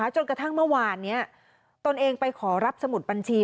จนกระทั่งเมื่อวานนี้ตนเองไปขอรับสมุดบัญชี